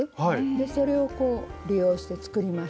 それをこう利用して作りました。